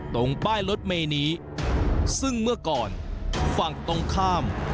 ตรงป้ายรถเมย์นี้ซึ่งเมื่อก่อนฝั่งตรงข้าม